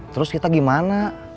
terus kita gimana